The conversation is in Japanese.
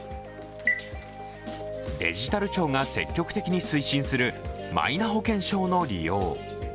デジタル庁が積極的に推進するマイナ保険証の利用。